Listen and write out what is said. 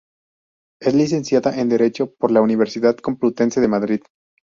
Es licenciada en derecho por la Universidad Complutense de Madrid.